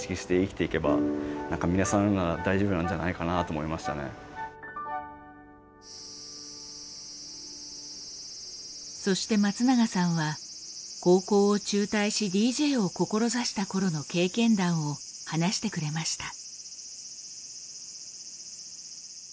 俺が思うのは何か結構そして松永さんは高校を中退しＤＪを志した頃の経験談を話してくれました。